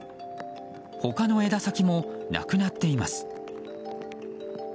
他の枝先もなくなっています。